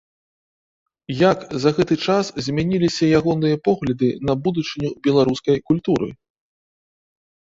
Як за гэты час змяніліся ягоныя погляды на будучыню беларускай культуры?